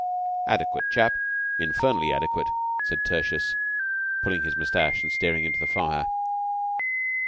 "Adequate chap. Infernally adequate," said Tertius, pulling his mustache and staring into the fire.